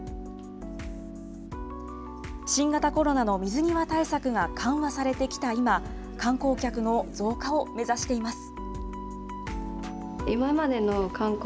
新型コロナの水際対策が緩和されてきた今、観光客の増加を目指しています。